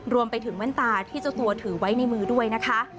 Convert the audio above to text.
รวมไปถึงแว่นตาที่เจ้าตัวถือไว้ในมือด้วยนะคะ